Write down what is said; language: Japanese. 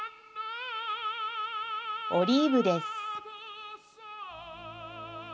オリーブです。